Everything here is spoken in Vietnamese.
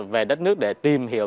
về đất nước để tìm hiểu